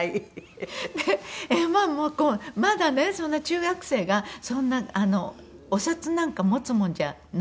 でまあもう「まだねそんな中学生がそんなお札なんか持つもんじゃない」っていう。